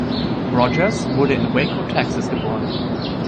Rogers wurde in Waco, Texas, geboren.